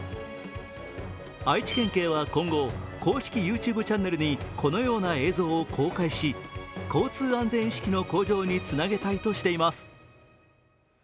愛知県警は今後、公式ＹｏｕＴｕｂｅチャンネルにこのような映像を公開し交通安全意識の向上につなげたいとしています。